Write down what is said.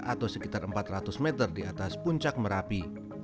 atau sekitar empat ratus meter di atas puncak merapi